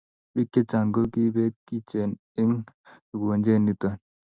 bik chechang ko ki bek ichen eng ukonjwet niton